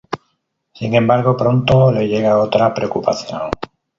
Sin embargo, pronto le llega otra preocupación.